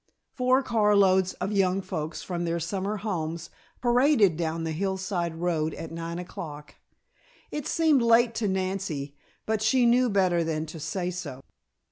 Four car loads of young folks from their summer homes paraded down the hillside road at nine o'clock. It seemed late to Nancy, but she knew better than to say so.